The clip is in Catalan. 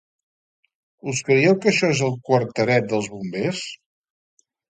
Us creieu que això és el quarteret dels bombers?